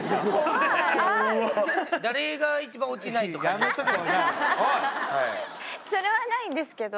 やめとけそれはないんですけど